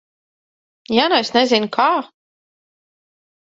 Ja nu es nezinu, kā?